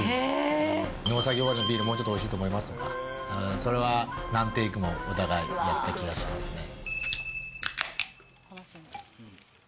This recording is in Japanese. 農作業終わりのビールは、もうちょっとおいしいと思いますとか、それは何テイクもお互いやった気がしますね。